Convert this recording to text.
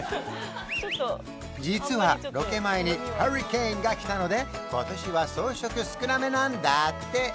実はロケ前にハリケーンが来たので今年は装飾少なめなんだって！